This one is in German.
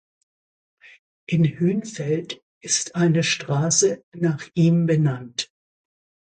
In Hünfeld ist eine Straße nach ihm benannt.